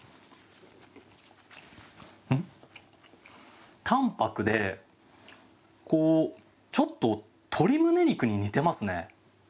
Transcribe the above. うん、淡泊でちょっと鶏胸肉に似ていますね。